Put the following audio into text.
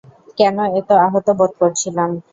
কেন এত আহত বোধ করছিলাম?